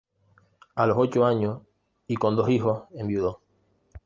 A los ocho años y con dos hijos enviudó.